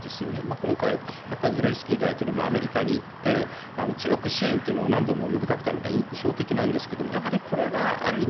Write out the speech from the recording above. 今回、ゼレンスキー大統領もアメリカに行って強く支援というのを呼びかけたのが印象的なんですけどもやはり、これがある意味